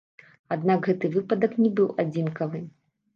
Аднак гэты выпадак не быў адзінкавы.